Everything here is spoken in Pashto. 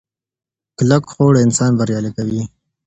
کلکه هوډ انسان بریالی کوي.